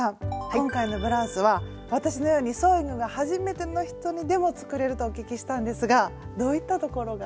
今回のブラウスは私のようにソーイングがはじめての人にでも作れるとお聞きしたんですがどういったところが？